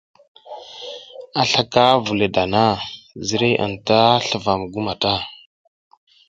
A slaka vu le dana, ziriy anta slifam gu mata.